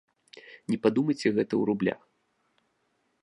Не падумайце, гэта ў рублях.